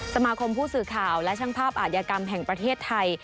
สมาคมผู้สื่อข่าวและช่างภาพอาธิกรรมแห่งประเทศไทย